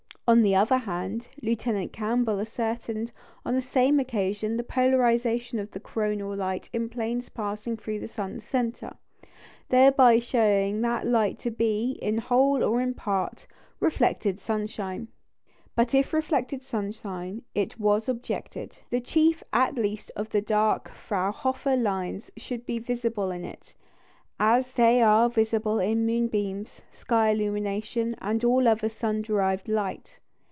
On the other hand, Lieutenant Campbell ascertained on the same occasion the polarisation of the coronal light in planes passing through the sun's centre, thereby showing that light to be, in whole or in part, reflected sunshine. But if reflected sunshine, it was objected, the chief at least of the dark Fraunhofer lines should be visible in it, as they are visible in moonbeams, sky illumination, and all other sun derived light.